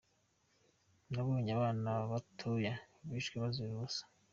Nabonye abana batoya bishwe bazira ubusa.